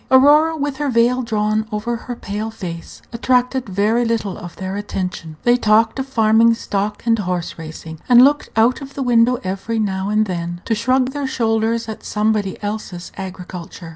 Aurora, with her veil drawn over her pale face, attracted very little of their attention. They talked of farming stock and horse racing, and looked out of the window every now and then to shrug their shoulders at somebody else's agriculture.